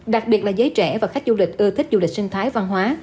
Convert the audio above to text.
đặc biệt là giới trẻ và khách du lịch ưa thích du lịch sinh thái văn hóa